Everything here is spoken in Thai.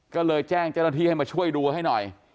ก็เลยแจ้งเจ้าหน้าที่ให้มาช่วยดูให้หน่อย